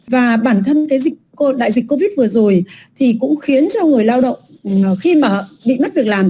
và bản thân cái đại dịch covid vừa rồi thì cũng khiến cho người lao động khi mà bị mất việc làm